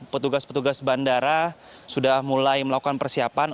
petugas petugas bandara sudah mulai melakukan persiapan